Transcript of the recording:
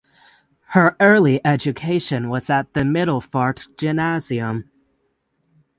Her early education was at the Middelfart Gymnasium.